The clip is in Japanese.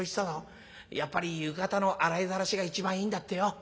やっぱり浴衣の洗いざらしが一番いいんだってよ。